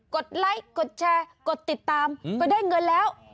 ดไลค์กดแชร์กดติดตามก็ได้เงินแล้ว